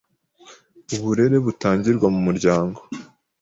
uburere butangirwa mu muryango